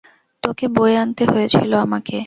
তোকে বয়ে আনতে হয়েছিল আমাকে।